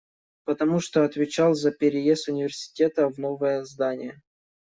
Потому что отвечал за переезд университета в новое здание.